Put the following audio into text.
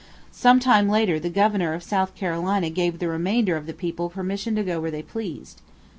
Some time later the governor of South Carolina gave the remainder of the people permission to go where they pleased.